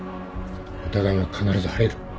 疑いは必ず晴れる